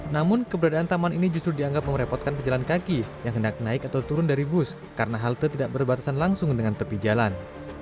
namun keberadaan taman ini justru dianggap merepotkan pejalan kaki yang hendak naik atau turun dari bus karena halte tidak berbatasan langsung dengan tepi jalan